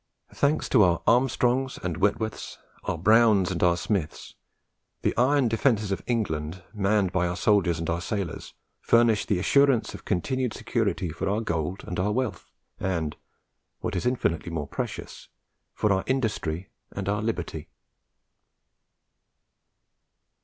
Thanks to our Armstrongs and Whitworths, our Browns and our Smiths, the iron defences of England, manned by our soldiers and our sailors, furnish the assurance of continued security for our gold and our wealth, and, what is infinitely more precious, for our industry and our liberty.